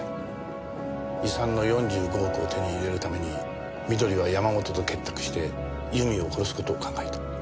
遺産の４５億を手に入れるために美登里は山本と結託して由美を殺す事を考えた。